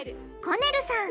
コネルさん！